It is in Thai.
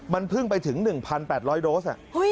มันเพิ่งไปถึง๑๘๐๐โดส